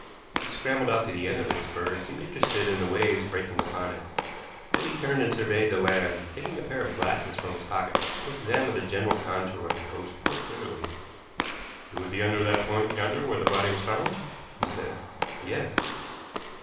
He scrambled out to the end of this spur and seemed interested in the waves breaking upon it; then he turned and surveyed the land, taking a pair of glasses from his pocket to examine the general contour of the coast more clearly. "It would be under that point yonder where the body was found," he said. "Yes."